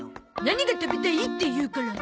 「何が食べたい？」って言うから。